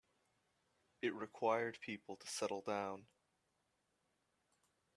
It required people to settle down.